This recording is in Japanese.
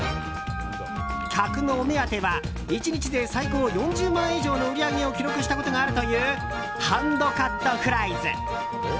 客のお目当ては、１日で最高４０万円以上の売り上げを記録したことがあるというハンドカットフライズ。